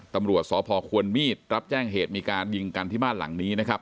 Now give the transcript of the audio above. ตำรวจสพควรมีดรับแจ้งเหตุมีการยิงกันที่บ้านหลังนี้นะครับ